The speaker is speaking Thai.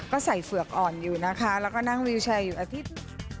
ก็ใส่เฝือกอ่อนอยู่นะคะแล้วก็นั่งวิวแชร์อยู่อาทิตย์